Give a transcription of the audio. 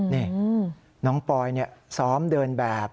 นี่น้องปอยซ้อมเดินแบบ